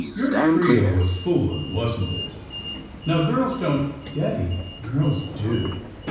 Your trio was fooling, wasn't it? Now, girls don't " "Daddy, girls _do!